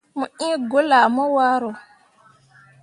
Mo iŋ gwulle ah mo waro.